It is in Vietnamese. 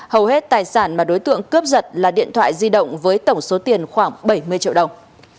hầu hết tài sản mà đối tượng cướp giật là điện thoại di động với tổng số tiền khoảng bảy mươi triệu đồng